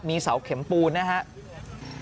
มีเสาเข็มปูนนะครับ